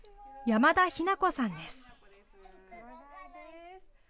山田緋奈子さんです。